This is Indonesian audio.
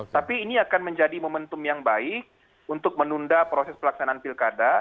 tapi ini akan menjadi momentum yang baik untuk menunda proses pelaksanaan pilkada